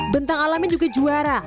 bentang alami juga juara